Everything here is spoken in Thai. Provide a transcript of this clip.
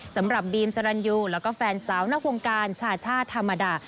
สำหรับบีมสรรยูแล้วก็แฟนสาวนอกวงการชาช่าธรรมดา